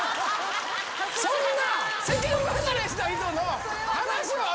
そんな。